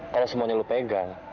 kalau semuanya lo pegang